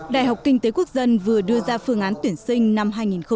đại học kinh tế quốc dân vừa đưa ra phương án tuyển sinh năm hai nghìn một mươi tám